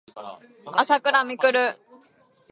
あさくらみくる